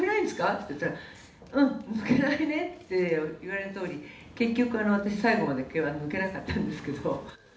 って言ったら、うん、抜けないねって言われたとおり、結局、私、最後まで毛は抜けなかったんですけど。